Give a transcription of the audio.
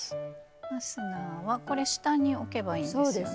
ファスナーはこれ下に置けばいいんですね？